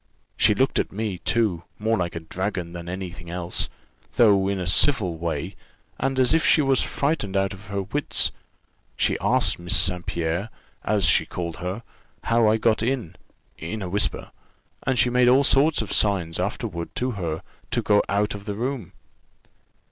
She looked at me, too, more like a dragon than any thing else; though in a civil way, and as if she was frightened out of her wits, she asked Miss St. Pierre, as she called her, how I had got in (in a whisper), and she made all sorts of signs afterward to her, to go out of the room.